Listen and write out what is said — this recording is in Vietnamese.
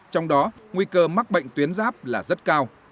trong đó nguy cơ mắc bệnh tuyến giáp là rất cao